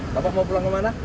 bapak mau pulang kemana